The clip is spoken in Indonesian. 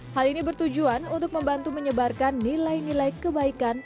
hal ini bertujuan untuk membantu menyebarkan nilai nilai kebaikan